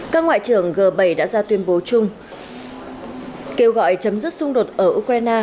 các ngoại trưởng g bảy đã ra tuyên bố chung kêu gọi chấm dứt xung đột ở ukraine